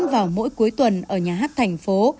vào mỗi cuối tuần ở nhà hát thành phố